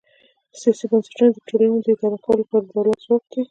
سیاسي بنسټونه د ټولنې د اداره کولو لپاره د دولت ځواک دی.